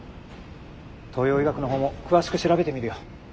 東洋医学の方も詳しく調べてみるよ。